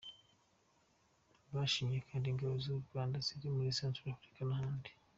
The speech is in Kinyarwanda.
Bashimye kandi Ingabo z’u Rwanda ziri muri Centrafrique n’ahandi.